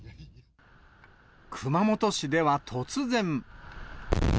熊本市では突然。